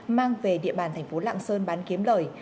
mang về địa bàn thành phố lạng sơn bán kiếm lời